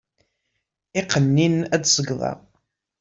Iqqen-i-nn ad segdeɣ.